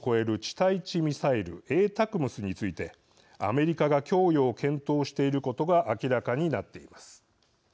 対地ミサイルＡＴＡＣＭＳについてアメリカが供与を検討していることが明らかになっています。